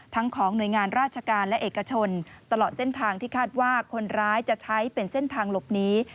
ของหน่วยงานราชการและเอกชนตลอดเส้นทางที่คาดว่าคนร้ายจะใช้เป็นเส้นทางหลบหนี